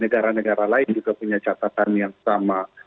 negara negara lain juga punya catatan yang sama